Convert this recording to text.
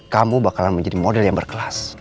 kamu bakalan menjadi model yang berkelas